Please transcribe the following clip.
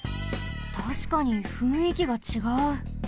たしかにふんいきがちがう。